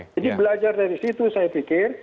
jadi belajar dari situ saya pikir